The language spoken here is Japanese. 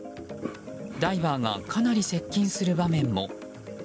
ダイバーがかなり接近する場面も。